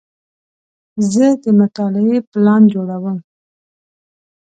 زه د مطالعې پلان جوړوم.